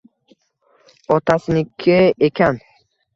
Otasiniki ekan